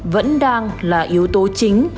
vẫn đang là yếu tố chính